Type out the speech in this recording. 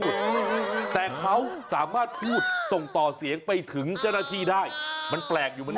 จราณที่ไม่ได้ยิน